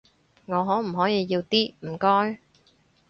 我可唔可以要啲，唔該？